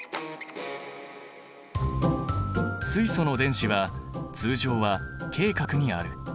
水素の電子は通常はＫ殻にある。